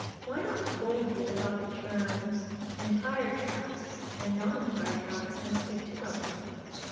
Why not boldly adopt the terms "Entire cats" and "Non entire cats," and stick to them?